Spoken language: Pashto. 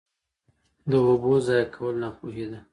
د اوبو ضایع کول ناپوهي ده.